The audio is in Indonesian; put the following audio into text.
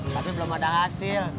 tapi belum ada hasil